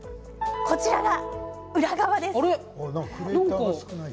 こちらが裏側です。